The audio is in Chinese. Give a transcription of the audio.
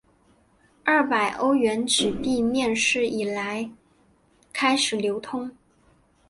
二百欧元纸币面世以来开始流通。